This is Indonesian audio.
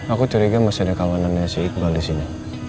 aku curiga masih ada kawanannya si iqbal disini